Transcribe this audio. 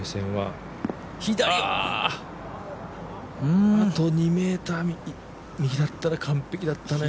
あと２ｍ右だったら完璧だったね